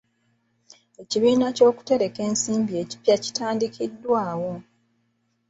Ekibiina ky'okutereka ensimbi ekipya kitandikiddwawo.